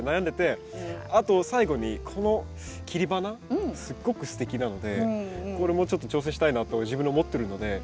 あと最後にこの切り花すごくすてきなのでこれもちょっと挑戦したいなと自分で思ってるので。